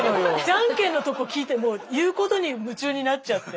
じゃんけんのとこ聞いてもう言うことに夢中になっちゃって。